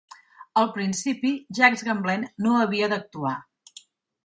Al principi, Jacques Gamblin no havia d'actuar.